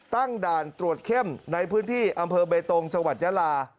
ตั้งด่านตรวจเข้มในพื้นที่อำเภอเบตงจังหวัดยาลา